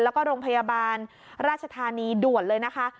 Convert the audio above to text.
แล้วก็โรงพยาบาลราชธานีด่วนเลยนะคะ